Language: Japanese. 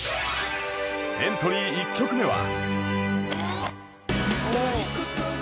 エントリー１曲目は